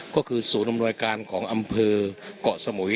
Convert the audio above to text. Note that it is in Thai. ก็คือศูนย์อำนวยการของอำเภอกเกาะสมุย